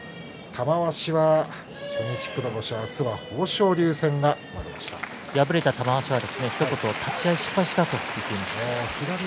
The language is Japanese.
玉鷲は初日黒星、明日は敗れた玉鷲はひと言立ち合い失敗したと言っていました。